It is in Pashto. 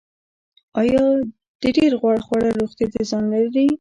ایا د ډیر غوړ خوړل روغتیا ته زیان لري